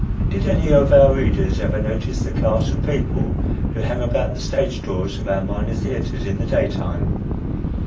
Did any of our readers ever notice the class of people, who hang about the stage doors of our minor theatres in the daytime.